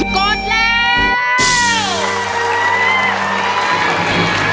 กดแล้ว